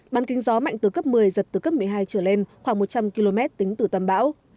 bán kính gió mạnh từ cấp một mươi giật từ cấp một mươi hai trở lên khoảng một trăm linh km tính từ tâm bão